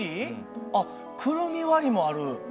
あっくるみ割りもある。